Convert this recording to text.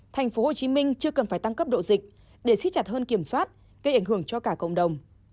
tp hcm chưa cần phải tăng cấp độ dịch để xích chặt hơn kiểm soát gây ảnh hưởng cho cả cộng đồng